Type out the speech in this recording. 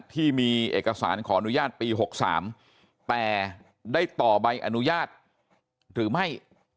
ที่มีเอกสารขออนุญาตปี๖๓แต่ได้ต่อใบอนุญาตหรือไม่